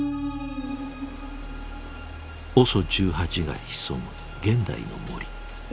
ＯＳＯ１８が潜む現代の森。